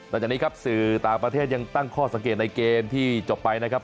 หลังจากนี้ครับสื่อต่างประเทศยังตั้งข้อสังเกตในเกมที่จบไปนะครับ